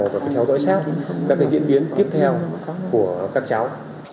và phải theo dõi sát các cái diễn biến tiếp theo của các cháu